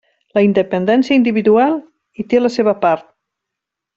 La independència individual hi té la seva part.